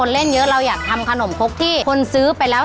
เราอยากทำขนมโค๊กที่คนซื้อไปแล้ว